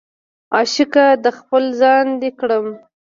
عشقه د خپل ځان دې کړم